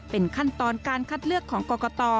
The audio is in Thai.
เป็นขั้นตอนการคัดเลือกของกรกต